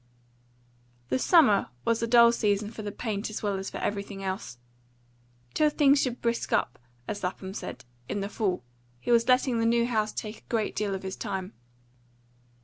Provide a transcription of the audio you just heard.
The summer was a dull season for the paint as well as for everything else. Till things should brisk up, as Lapham said, in the fall, he was letting the new house take a great deal of his time.